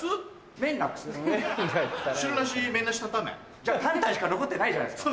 じゃ担々しか残ってないじゃないですか。